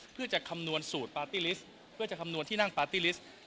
เพื่อจะคำนวณสูตรปาร์ตี้ลิสต์เพื่อจะคำนวณที่นั่งปาร์ตี้ลิสต์